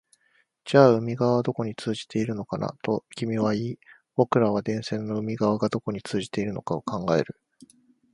じゃあ海側はどこに通じているのかな、と君は言い、僕らは電線の海側がどこに通じているのか考える